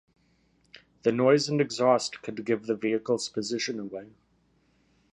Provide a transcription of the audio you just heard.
The noise and exhaust could give the vehicle's position away.